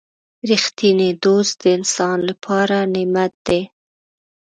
• رښتینی دوست د انسان لپاره نعمت دی.